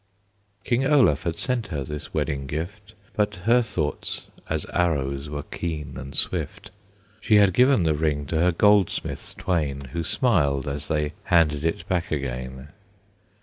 King Olaf had sent her this wedding gift, But her thoughts as arrows were keen and swift. She had given the ring to her goldsmiths twain, Who smiled, as they handed it back again.